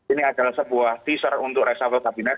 ini adalah sebuah teaser untuk reshuffle kabinet